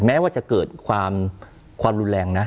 แม้ว่าจะเกิดความรุนแรงนะ